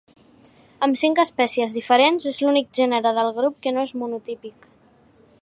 Amb cinc espècies diferents, és l'únic gènere del grup que no és monotípic.